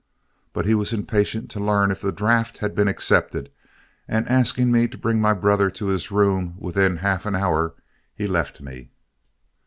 But he was impatient to learn if the draft had been accepted, and asking me to bring my brother to his room within half an hour, he left me.